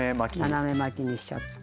斜め巻きにしちゃって。